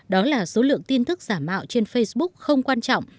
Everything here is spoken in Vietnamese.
đó là số lượng tin tức giả mạo trên facebook không quan trọng